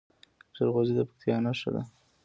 جلغوزه د پکتیا نښه ده.